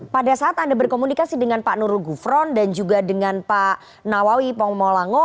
pada saat anda berkomunikasi dengan pak nurul gufron dan juga dengan pak nawawi pong molango